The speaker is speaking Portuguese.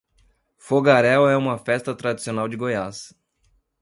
Fogaréu é uma festa tradicional de Goiás